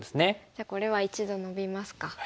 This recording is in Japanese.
じゃあこれは一度ノビますか。